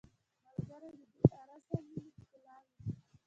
ملګری د بې غرضه مینې ښکلا وي